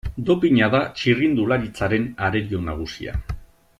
Dopina da txirrindularitzaren arerio nagusia.